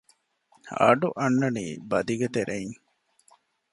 އަޑުއަންނަނީ ބަދިގެ ތެރެއިން